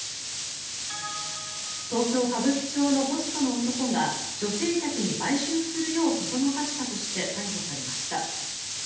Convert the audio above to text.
東京・歌舞伎町のホストの男が女性客に売春するようそそのかしたとして逮捕されました。